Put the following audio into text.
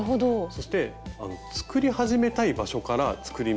そして作り始めたい場所から作り目を作れる。